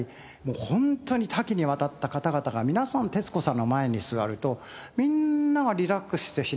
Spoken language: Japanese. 本当に多岐に渡った方々が皆さん徹子さんの前に座るとみんながリラックスしているし